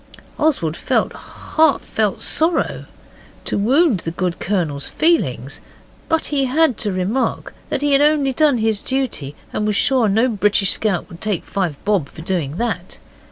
Oswald felt heart felt sorry to wound the good Colonel's feelings, but he had to remark that he had only done his duty, and he was sure no British scout would take five bob for doing that.